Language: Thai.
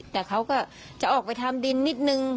แต่เขาก็จะออกไปทำดินนิดนึง